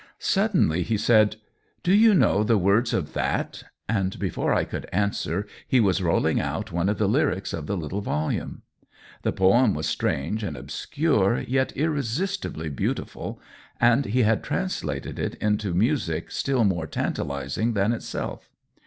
Suddenly he said, "Do you know the words of thatV^ and be fore I could answer he was rolling out one of the lyrics of the little volume. The poem was strange and obscure, yet irresistibly beautiful, and he had translated it into music still more tantalizing than itself.